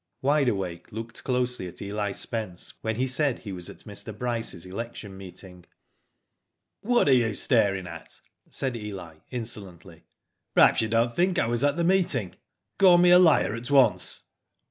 Wide Awake! looked closely at Eli Spence when he said he was at Mr. Bryce's election meeting. ''What are you staring at ?'^ said Eli, in solently. " Perhaps you don't think I was at the meeting? Call me a liar at once."